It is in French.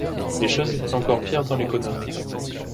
Les choses étaient encore pire dans l'économie.